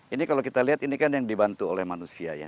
ini kalau kita lihat ini kan yang dibantu oleh manusia ya